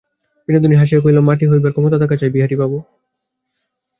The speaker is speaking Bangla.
বিনোদিনী হাসিয়া কহিল, মাটি হইবার ক্ষমতা থাকা চাই, বিহারীবাবু।